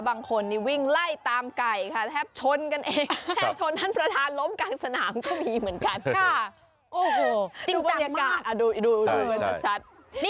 บางคนนี่วิ่งไล่ตามไก่ค่ะแทบชนกันเองแทบชนท่านประธานล้มกลางสนามก็มีเหมือนกันชัด